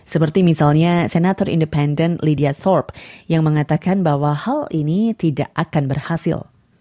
seperti misalnya senator independent lydiat forpe yang mengatakan bahwa hal ini tidak akan berhasil